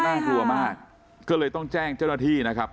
น่ากลัวมากก็เลยต้องแจ้งเจ้าหน้าที่นะครับ